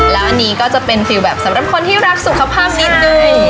แล้วอันนี้ก็จะเป็นฟิลแบบสำหรับคนที่รักสุขภาพนิดนึง